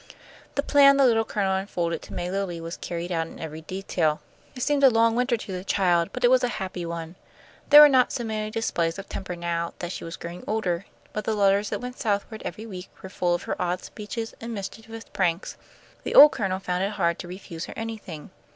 The plan the Little Colonel unfolded to May Lilly was carried out in every detail. It seemed a long winter to the child, but it was a happy one. There were not so many displays of temper now that she was growing older, but the letters that went southward every week were full of her odd speeches and mischievous pranks. The old Colonel found it hard to refuse her anything.